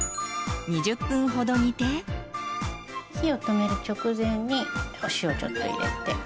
火を止める直前にお塩ちょっと入れて。